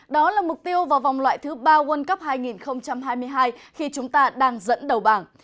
đó là mục tiêu vào vòng loại thứ ba world cup hai nghìn hai mươi hai khi chúng ta đang dẫn đầu bảng